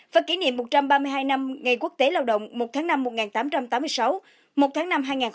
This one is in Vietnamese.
và kỷ niệm một trăm ba mươi hai năm ngày quốc tế lao động một tháng năm một nghìn tám trăm tám mươi sáu một tháng năm hai nghìn một mươi chín